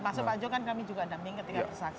maksud pak jo kan kami juga daming